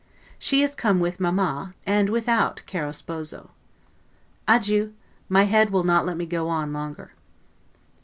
She is come with mamma, and without 'caro sposo'. Adieu! my head will not let me go on longer.